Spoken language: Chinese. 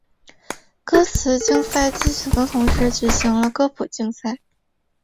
歌词竞赛进行的同时举行了歌谱竞赛。